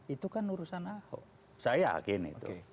itu kan urusan ahok saya yakin itu